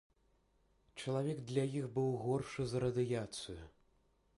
Чалавек для іх быў горшы за радыяцыю.